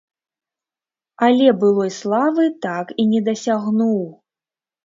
Але былой славы так і не дасягнуў.